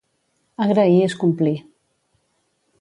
Agrair és complir.